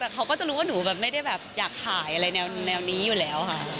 แต่เขาก็จะรู้ว่าหนูแบบไม่ได้แบบอยากถ่ายอะไรแนวนี้อยู่แล้วค่ะ